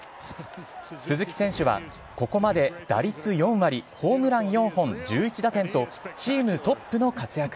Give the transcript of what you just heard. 鈴木選手は、ここまで打率４割、ホームラン４本、１１打点と、チームトップの活躍。